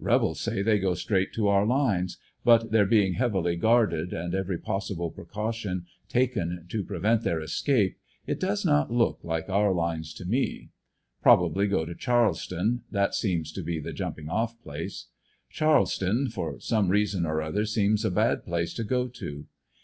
Rebels say they go straight to our lines, but their being heavily guarded and every possible precaution taken to prevent their escape, it does not look like our lines to me. Probably go to Charleston; that seems to be the jumping off place. Charleston, for some reason or other, seems a bad place to go to.